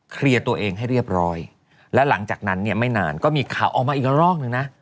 เคลียร์ตัวเองให้เรียบร้อยแล้วหลังจากนั้นเนี่ยไม่นานก็มีข่าวออกมาอีกรอบนึงนะ